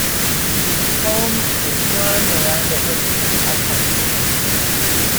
It is home to the Rouyn-Noranda Huskies ice hockey team.